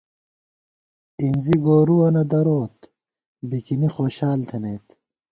اِنزی گورُوَنہ دروت، بِکِنی خوشال تھنَئیت